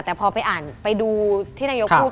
แต่พอไปอ่านไปดูที่นายกพูด